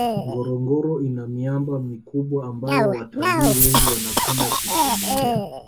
ngorongoro ina miamba mikubwa ambayo watalii wengi wanapenda kutembelea